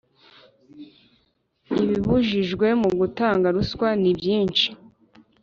Ibibujijwe mu gutanga ruswa nibyishi.